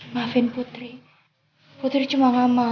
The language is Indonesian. maafin putri putri cuma gak mau